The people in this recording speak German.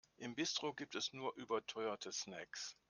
Im Bistro gibt es nur überteuerte Snacks.